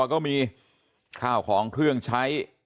ก็มีข้าวของเครื่องใช้